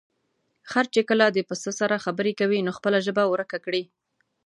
خر چې کله د پسه سره خبرې کوي، نو خپله ژبه ورکه کړي.